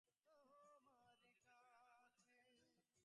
যন্ত্রীদের সুরের তাল মাঝে মাঝে কেটে যায়।